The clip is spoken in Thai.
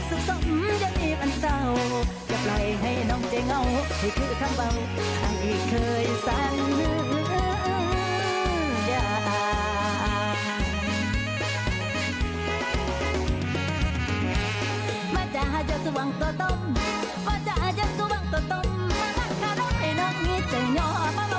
เพื่อนผินหรือครอดก็น้องไม่หัดสุปสมจะมีบรรเวรเศียว